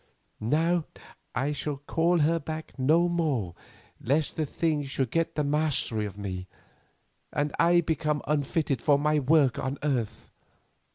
Now I shall call her back no more lest the thing should get the mastery of me, and I become unfitted for my work on earth.